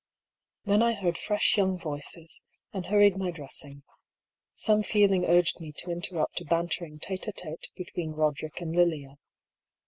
Then I heard fresh young voices, and hurried my dressing. Some feeling urged me to interrupt a banter ing Ute a tete between Eoderick and Lilia.